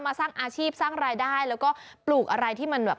สร้างอาชีพสร้างรายได้แล้วก็ปลูกอะไรที่มันแบบ